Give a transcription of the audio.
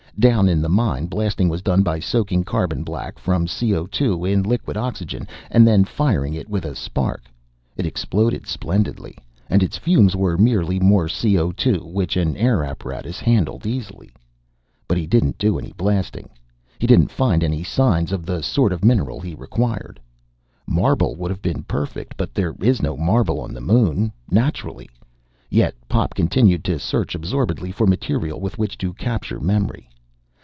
Down in the mine, blasting was done by soaking carbon black from CO in liquid oxygen, and then firing it with a spark. It exploded splendidly. And its fumes were merely more CO which an air apparatus handled easily. He didn't do any blasting. He didn't find any signs of the sort of mineral he required. Marble would have been perfect, but there is no marble on the Moon. Naturally! Yet Pop continued to search absorbedly for material with which to capture memory.